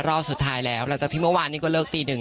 รอบสุดท้ายแล้วหลังจากที่เมื่อวานนี้ก็เลิกตีหนึ่ง